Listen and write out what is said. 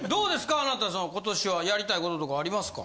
あなた今年はやりたいこととかありますか？